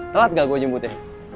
telat gak gue jemput ya